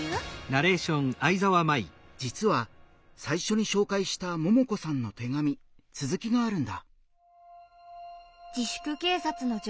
じつは最初に紹介したももこさんの手紙続きがあるんだ。